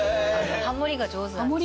ハモリが上手なんです。